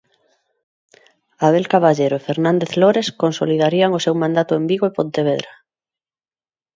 Abel Caballero e Fernández Lores consolidarían o seu mandato en Vigo e Pontevedra.